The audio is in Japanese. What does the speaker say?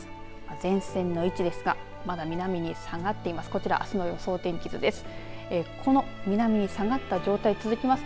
前線の位置ですがまだ南に下がっています。